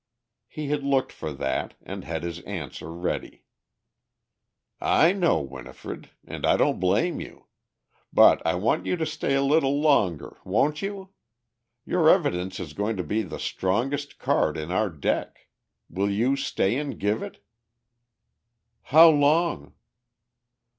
He had looked for that and had his answer ready. "I know, Winifred. And I don't blame you. But I want you to stay a little longer, won't you? Your evidence is going to be the strongest card in our deck. Will you stay and give it?" "How long?"